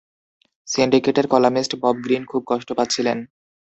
সিন্ডিকেটের columnist Bob Green খুব কষ্ট পাচ্ছিলেন।